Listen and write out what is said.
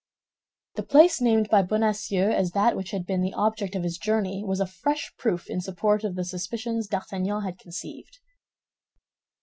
The place named by Bonacieux as that which had been the object of his journey was a fresh proof in support of the suspicions D'Artagnan had conceived.